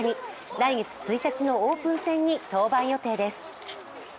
来月１日のオープン戦に登板予定です。